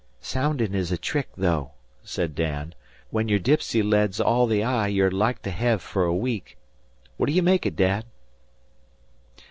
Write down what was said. "Soundin' is a trick, though," said Dan, "when your dipsey lead's all the eye you're like to hev for a week. What d'you make it, Dad?"